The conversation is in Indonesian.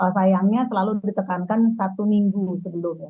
sayangnya selalu ditekankan satu minggu sebelumnya